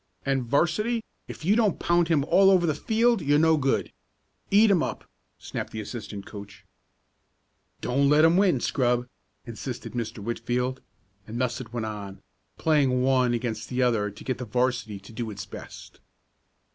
"And, 'varsity, if you don't pound him all over the field you're no good! Eat 'em up!" snapped the assistant coach. "Don't let 'em win, scrub," insisted Mr. Whitfield, and thus it went on playing one against the other to get the 'varsity to do its best.